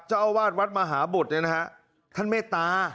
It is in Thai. เจ้าอาวาสวัดมหาบุตรเนี่ยนะฮะท่านเมตตา